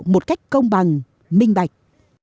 một cách công bằng minh bạch